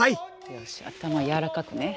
よし頭やわらかくね。